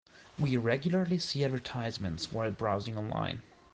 We regularly see advertisements while browsing online.